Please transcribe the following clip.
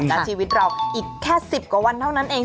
และชีวิตเราอีกแค่๑๐กว่าวันเท่านั้นเอง